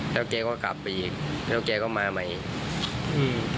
แล้วแกก็กลับไปอีกแล้วแกก็มาใหม่อืม